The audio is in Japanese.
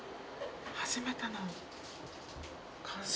初めての感触。